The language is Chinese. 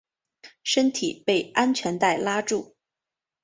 身体被安全带拉住